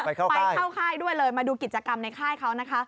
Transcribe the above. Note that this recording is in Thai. ไปเข้าค่ายด้วยเลยมาดูกิจกรรมในค่ายเขานะคะ